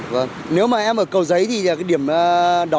vâng nếu mà em ở cầu giấy thì điểm đón là ở đâu ạ